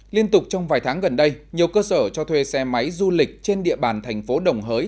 liên tục trong vài tháng gần đây nhiều cơ sở cho thuê xe máy du lịch trên địa bàn thành phố đồng hới